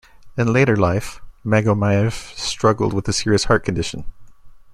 In later life, Magomayev struggled with a serious heart condition.